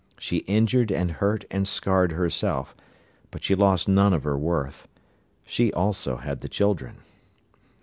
She injured and hurt and scarred herself, but she lost none of her worth. She also had the children.